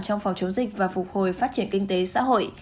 trong phòng chống dịch và phục hồi phát triển kinh tế xã hội